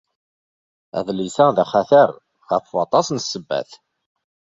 Adlis-a d axatar ɣef waṭas n ssebbat.